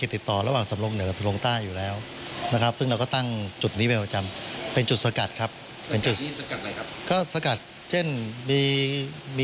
ป้องกันเหตุด้วยนะครับหรือว่าบังคับใช้กฎหมายในการตรวจสอบ